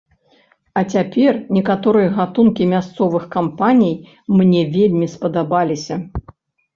А цяпер некаторыя гатункі мясцовых кампаній мне вельмі спадабаліся.